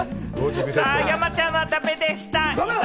山ちゃんはダメでした。